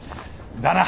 だな。